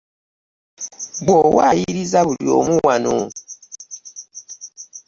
Ggwe owaayiriza buli omu wano.